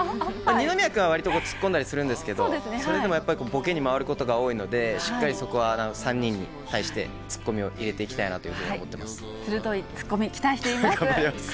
二宮君はわりと突っ込んだりするんですけど、それでもやっぱりボケに回ることが多いので、しっかりそこは３人に対してツッコミを入れていきたいなというふ鋭いツッコミ、期待しています。